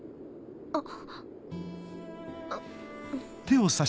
あっ。